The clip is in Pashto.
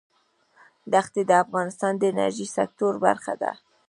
دښتې د افغانستان د انرژۍ سکتور برخه ده.